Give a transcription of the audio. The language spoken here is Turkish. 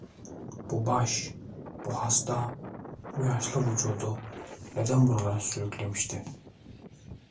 Bu baş, bu hasta, bu yaşlı vücudu neden buralara sürüklemişti?